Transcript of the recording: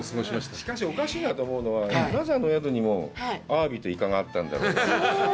しかし、おかしいなと思うのは、なぜあのお宿にも宿にもアワビがあったんだろう。